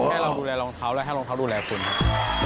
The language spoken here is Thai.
ให้เราดูแลรองเท้าและให้รองเท้าดูแลคุณครับ